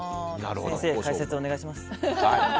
先生、解説をお願いします。